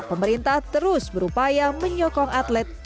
pemerintah terus berupaya menyokong atlet